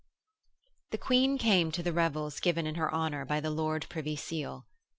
II The Queen came to the revels given in her honour by the Lord Privy Seal.